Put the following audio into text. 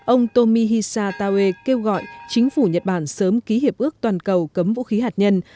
ông tomihisa tawe kêu gọi chính phủ nhật bản sớm ký hiệp ước toàn cầu cấm vũ khí hạt nhân